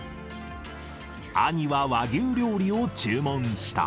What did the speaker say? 兄は和牛料理を注文した。